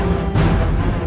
ketika kanda menang kanda menang